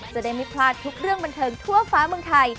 จะได้ไม่พลาดทุกเรื่องบันเทิงทั่วฟ้าเมืองไทย